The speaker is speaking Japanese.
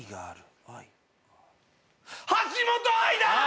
橋本愛だ！